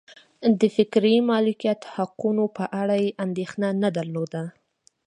د فکري مالکیت حقونو په اړه یې اندېښنه نه درلوده.